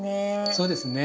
そうですね。